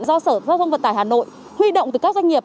do sở giao thông vận tải hà nội huy động từ các doanh nghiệp